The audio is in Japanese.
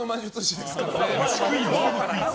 虫食いワードクイズ！